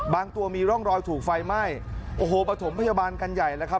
ตัวมีร่องรอยถูกไฟไหม้โอ้โหประถมพยาบาลกันใหญ่แล้วครับ